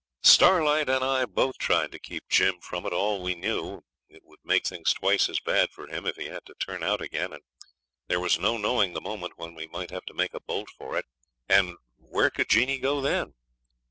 Starlight and I both tried to keep Jim from it all we knew. It would make things twice as bad for him if he had to turn out again, and there was no knowing the moment when we might have to make a bolt for it; and where could Jeanie go then?